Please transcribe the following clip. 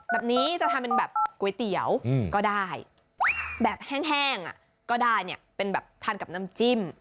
แบบนี้จะทำเป็นแบบก๋วยเตี๋ยวก็ได้แบบแห้งก็ได้เนี่ยเป็นแบบทานกับน้ำจิ้ม